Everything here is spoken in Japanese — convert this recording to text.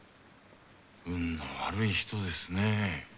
運の悪い人ですね。